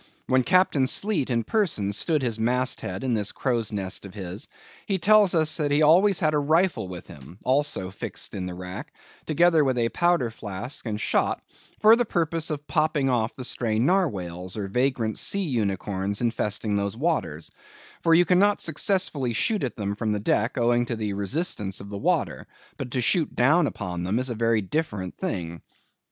When Captain Sleet in person stood his mast head in this crow's nest of his, he tells us that he always had a rifle with him (also fixed in the rack), together with a powder flask and shot, for the purpose of popping off the stray narwhales, or vagrant sea unicorns infesting those waters; for you cannot successfully shoot at them from the deck owing to the resistance of the water, but to shoot down upon them is a very different thing.